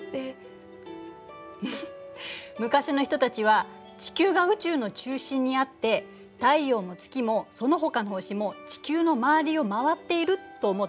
フフッ昔の人たちは地球が宇宙の中心にあって太陽も月もそのほかの星も地球の周りを回っていると思っていたのよ。